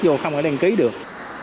điều đó không phải đăng ký được